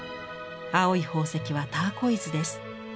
青い宝石はターコイズです。